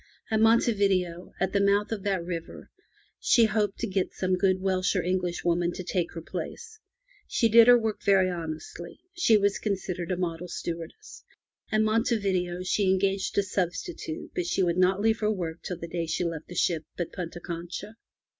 At Monte Video, at the mouth of that river, she hoped to get some good Welsh or English woman to take her place. She did her work very honestly. She was considered a model 27% FROM THE TOWER WINDOW Stewardess. At Monte Video she engaged a substitute, but she would not leave her work till the day she left the ship at Punta Concha.